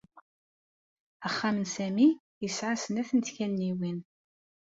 Axxam n Sami yesɛa snat n tkanniwin.